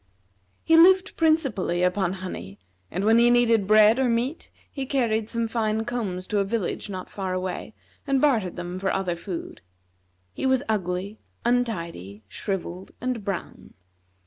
He lived principally upon honey; and when he needed bread or meat, he carried some fine combs to a village not far away and bartered them for other food. He was ugly, untidy, shrivelled, and brown.